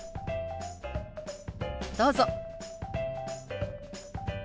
どうぞ。